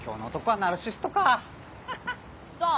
そう！